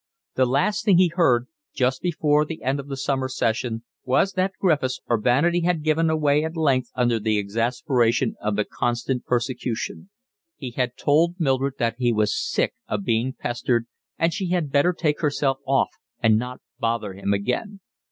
The last thing he heard, just before the end of the summer session, was that Griffiths, urbanity had given way at length under the exasperation of the constant persecution. He had told Mildred that he was sick of being pestered, and she had better take herself off and not bother him again.